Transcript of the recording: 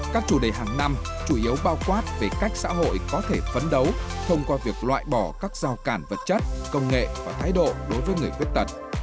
các chủ đề hàng năm chủ yếu bao quát về cách xã hội có thể phấn đấu thông qua việc loại bỏ các giao cản vật chất công nghệ và thái độ đối với người khuyết tật